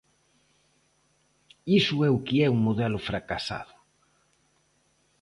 Iso é o que é un modelo fracasado.